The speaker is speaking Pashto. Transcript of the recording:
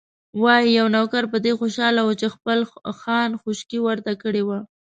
وايي، یو نوکر په دې خوشاله و چې خان خوشکې ورته کړې وې.